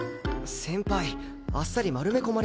先輩あっさり丸め込まれすぎです。